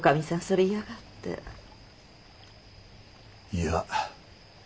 いや。